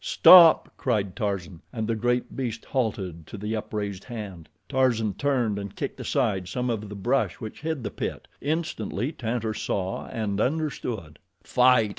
"Stop!" cried Tarzan, and the great beast halted to the upraised hand. Tarzan turned and kicked aside some of the brush which hid the pit. Instantly Tantor saw and understood. "Fight!"